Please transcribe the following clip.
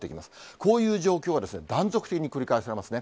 こういう状況が断続的に繰り返されますね。